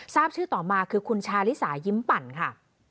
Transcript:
ทราบชื่อต่อมาคือคุณชาลิสายิ้มปั่นค่ะ